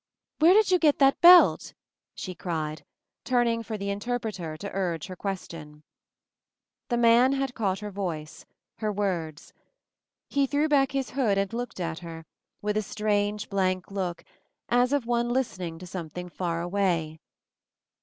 "Where did you get that belt?" she cried, turning for the interpreter to urge her question. The man had caught her voice, her words. 10 MOVING THE MOUNTAIN He threw back his hood and looked at her, with a strange blank look, as of one listen ing to something far away.